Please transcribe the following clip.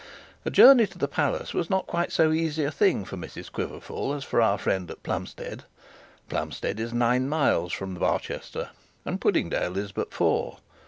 A journey to the palace was not quite so easy a thing for Mrs Quiverful as for our friend at Plumstead. Plumstead is nine miles from Barchester, and Puddingdale is but four.